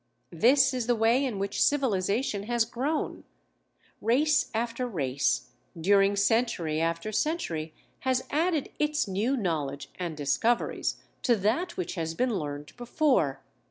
This is the way in which civilization has grown. Race after race, during century after century has added its new knowledge and discoveries to that which has been learned before.